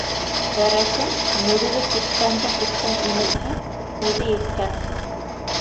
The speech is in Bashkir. Бәрәсен мөгөҙө тирткәнгә тиктем имеҙһә, үҙе еткән.